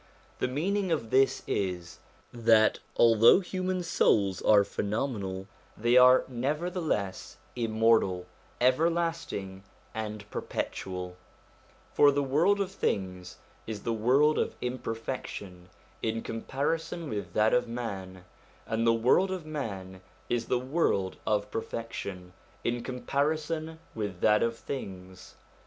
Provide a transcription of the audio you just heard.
The meaning of this is, that although human souls are phenomenal, they are nevertheless immortal, everlast ing, and perpetual ; for the world of things is the world of imperfection in comparison with that of man, and the world of man is the world of perfection in com parison with that of things.